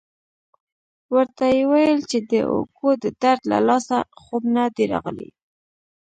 ورته ویې ویل چې د اوږو د درد له لاسه خوب نه دی راغلی.